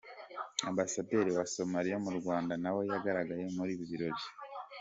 Ambasaderi wa Somaliya mu Rwanda nawe yagaragaye muri ibi birori.